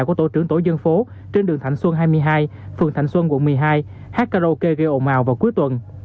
của tổ trưởng tổ dân phố trên đường thạnh xuân hai mươi hai phường thạnh xuân quận một mươi hai hát karaoke gây ồn ào vào cuối tuần